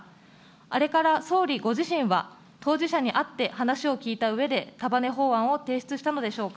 あれから総理ご自身は、当事者に会って、話を聞いたうえで束ね法案を提出したのでしょうか。